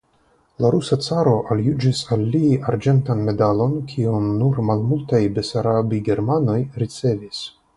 La rusa caro aljuĝis al li arĝentan medalon kiun nur malmultaj besarabigermanoj ricevis.